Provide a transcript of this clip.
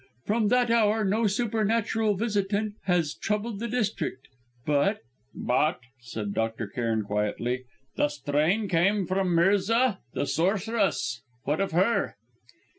From that hour no supernatural visitant has troubled the district; but " "But," said Dr. Cairn quietly, "the strain came from Mirza, the sorceress. What of her?"